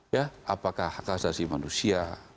ya apakah hak asasi manusia